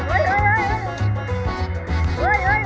แม่ปล่อยหน่อย